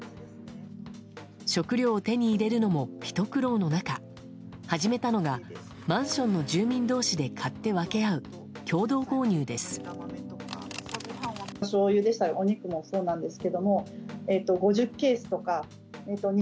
食料を手に入れるのもひと苦労の中始めたのが、マンションの住民同士で買って分け合う共同購入です。